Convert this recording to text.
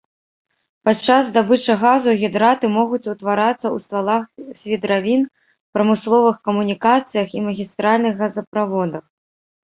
Падчас здабычы газу гідраты могуць утварацца ў ствалах свідравін, прамысловых камунікацыях і магістральных газаправодах.